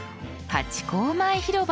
ハチ公前広場。